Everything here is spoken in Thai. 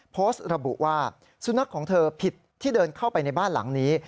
โพสต์ระบุว่าสุนัขของเธอผิดที่เดินเข้าไปในบ้านหลังนี้